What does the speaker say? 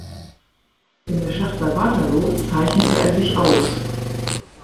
In der Schlacht bei Waterloo zeichnete er sich aus.